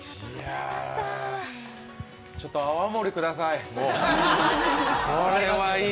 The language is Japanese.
ちょっと泡盛、ください。